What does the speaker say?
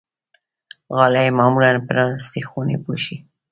غالۍ معمولا پرانيستې خونې پوښي.